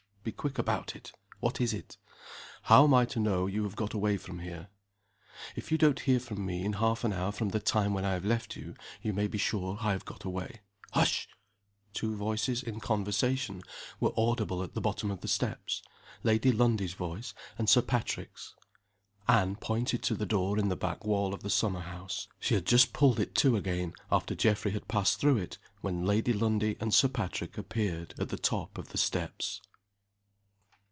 "Be quick about it! What is it?" "How am I to know you have got away from here?" "If you don't hear from me in half an hour from the time when I have left you, you may be sure I have got away. Hush!" Two voices, in conversation, were audible at the bottom of the steps Lady Lundie's voice and Sir Patrick's. Anne pointed to the door in the back wall of the summer house. She had just pulled it to again, after Geoffrey had passed through it, when Lady Lundie and Sir Patrick appeared at the top of the steps.